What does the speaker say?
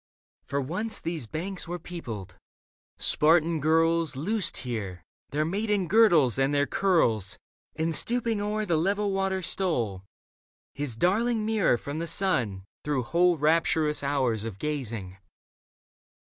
For once these banks were peopled : Spartan [girls Loosed here their maiden girdles and their curls, And stooping o'er the level water stole His darling mirror from the sun through whole Rapturous hours of gazing.